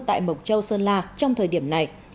tại mộc châu sơn la trong thời điểm này